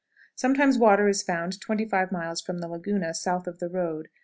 Sometimes water is found 25 miles from the Laguna, south of the road.